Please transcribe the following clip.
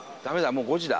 もう５時だ。